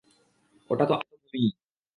ওটা তো আমিই।